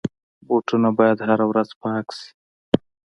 بوټونه باید هره ورځ پاک شي.